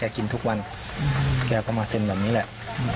กินทุกวันแกก็มาเซ็นแบบนี้แหละ